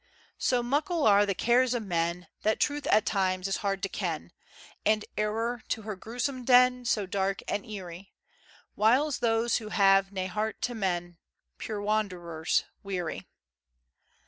So muckle[D] are the cares o' men, That Truth at times is hard to ken, And Error, to her grousome[E] den, So dark and eerie, Wiles those who have na heart to men';[F] Puir wanderers weary.